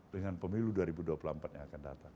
dengan pemilu dua ribu dua puluh empat yang akan datang